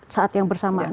saat yang bersamaan